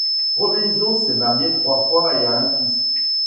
Robison s'est marié trois fois et a un fils.